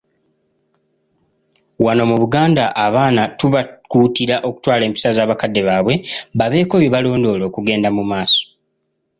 Wano mu Buganda abaana tubakuutira okutwala empisa za bakadde baabwe babeeko byebalondoola okugenda mumaaso.